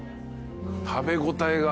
食べ応えが。